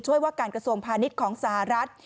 ว่าการกระทรวงพาณิชย์ของสหรัฐ